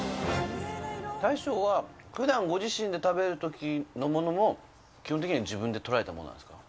大将がふだんご自身で食べるときのものも、基本的には自分で取られたものなんですか。